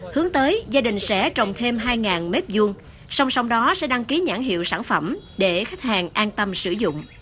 hướng tới gia đình sẽ trồng thêm hai m hai song song đó sẽ đăng ký nhãn hiệu sản phẩm để khách hàng an tâm sử dụng